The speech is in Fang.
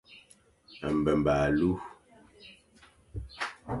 Mbemba alu.